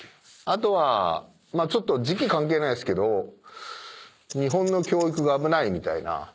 あとはちょっと時期関係ないっすけど日本の教育が危ないみたいな。